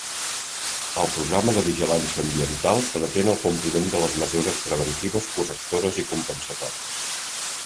El programa de vigilància ambiental pretén el compliment de les mesures preventives, correctores i compensatòries.